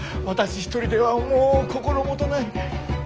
私一人ではもう心もとない。